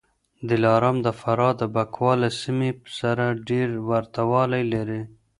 دلارام د فراه د بکواه له سیمې سره ډېر ورته والی لري